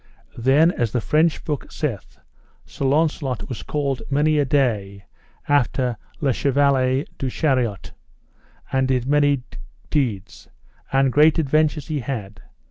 Then, as the French book saith, Sir Launcelot was called many a day after le Chevaler du Chariot, and did many deeds, and great adventures he had.